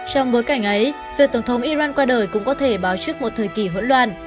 trong bối cảnh ấy việc tổng thống iran qua đời cũng có thể báo trước một thời kỳ hỗn loạn